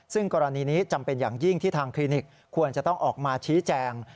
ซึ่งกรณีนี้จำเป็นอย่างยิ่งที่ทางคลินิกควรจะต้องออกมาชี้แจง